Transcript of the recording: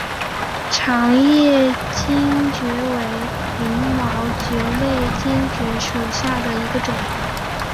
长叶黔蕨为鳞毛蕨科黔蕨属下的一个种。